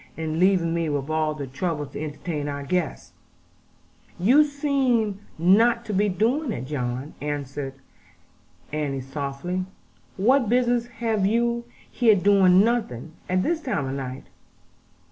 And leaving me with all the trouble to entertain our guests!' 'You seem not to me to be doing it, John,' Annie answered softly; 'what business have you here doing nothing, at this time of night?'